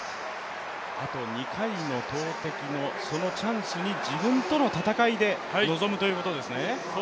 あと２回の投てきのチャンスに自分との戦いで臨むということですね。